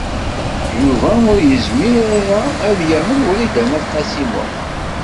Yuba ur yezmir ara ad yamen Wrida n At Qasi Muḥ.